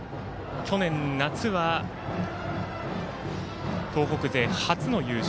去年夏は、東北勢初の優勝。